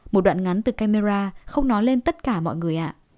một đoạn ngắn từ camera không nói lên tất cả mọi người ạ